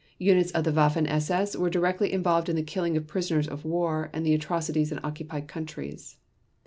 Units of the Waffen SS were directly involved in the killing of prisoners of war and the atrocities in occupied countries.